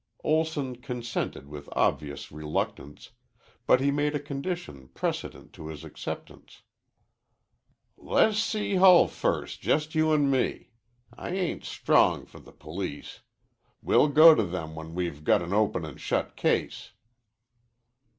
Olson consented with obvious reluctance, but he made a condition precedent to his acceptance. "Le' 's see Hull first, just you 'n' me. I ain't strong for the police. We'll go to them when we've got an open an' shut case."